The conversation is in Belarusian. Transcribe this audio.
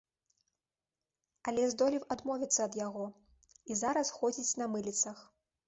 Але здолеў адмовіцца ад яго і зараз ходзіць на мыліцах.